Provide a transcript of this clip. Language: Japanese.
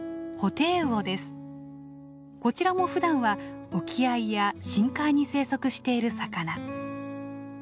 こちらもふだんは沖合や深海に生息している魚。